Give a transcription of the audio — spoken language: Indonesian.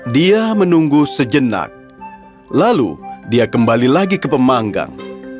dia menunggu sejenak lalu dia kembali lagi ke pemanggang